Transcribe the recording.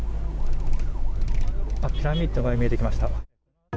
ピラミッドが見えてきました。